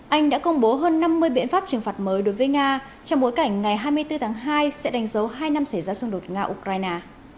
anh đã công bố hơn năm mươi biện pháp trừng phạt mới đối với nga trong bối cảnh ngày hai mươi bốn tháng hai sẽ đánh dấu hai năm xảy ra xung đột nga ukraine